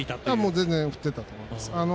全然振っていたと思います。